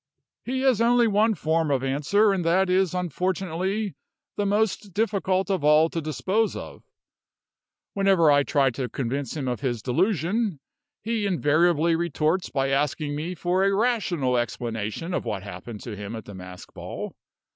"He has only one form of answer, and that is, unfortunately, the most difficult of all to dispose of. Whenever I try to convince him of his delusion, he invariably retorts by asking me for a rational explanation of what happened to him at the masked ball.